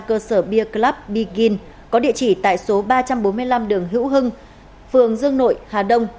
cơ sở beer club begin có địa chỉ tại số ba trăm bốn mươi năm đường hữu hưng phường dương nội hà đông